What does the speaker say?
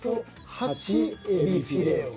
８えびフィレオ。